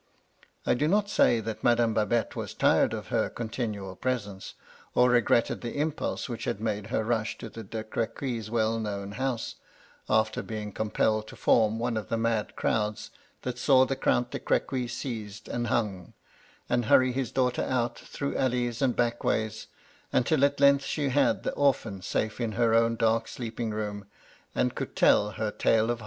I do not say that Madame Babette was tired of her continual presence, or regretted the impulse which had made her rush to the De Crequy's well known house — after being compelled to form one of the mad crowds that saw the Count de Crequy seized and hung — ^and hurry his daughter out, through alleys and back ways, until at length she had the orphan safe in her own dark sleeping room, and could tell her tale of 138 MY LADY LUDLOW.